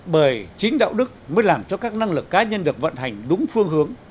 bởi chính đạo đức mới làm cho các năng lực cá nhân được vận hành đúng phương hướng